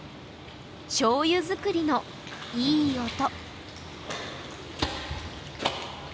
しょうゆ造りのいい音。